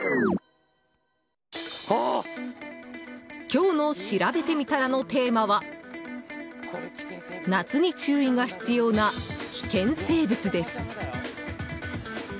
今日のしらべてみたらのテーマは夏に注意が必要な危険生物です。